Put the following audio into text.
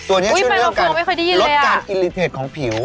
อุ๊ยใบมะเฟืองไม่เคยได้ยินเลยอะตัวนี้ช่วยเลือกกันลดการอิริเทศของผิว